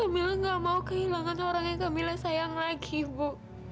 mila gak mau kehilangan orang yang kamilah sayang lagi bu